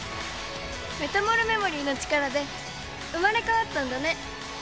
メタモルメモリーの力で生まれ変わったんだね！